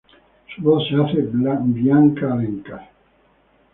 Su voz se hace Bianca Alencar.